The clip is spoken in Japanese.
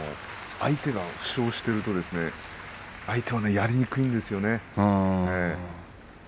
相手が負傷しているとやりにくいんですよね。